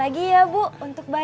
aku harus punya ya